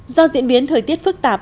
do diễn biến thời tiết phức tạp